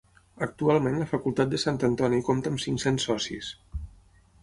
Actualment la Facultat de Sant Antoni compta amb cinc-cents socis.